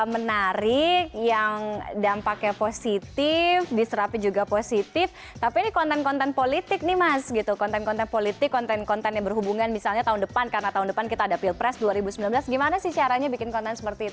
menarik yang dampaknya positif diserapi juga positif tapi ini konten konten politik nih mas gitu konten konten politik konten konten yang berhubungan misalnya tahun depan karena tahun depan kita ada pilpres dua ribu sembilan belas gimana sih caranya bikin konten seperti itu